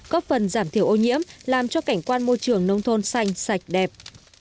có phần giảm thiểu ô nhiễm làm cho cảnh quan môi trường nông thôn xanh sạch đẹp